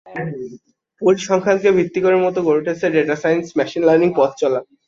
পরিসংখ্যানকে ভিত্তি করেই মূলত গড়ে উঠেছে ডেটা সাইন্স, মেশিন লার্নিং পথচলা।